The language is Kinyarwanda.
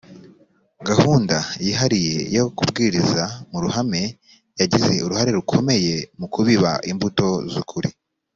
gahunda yihariye yo kubwiriza mu ruhame yagize uruhare rukomeye mu kubiba imbuto z ukuri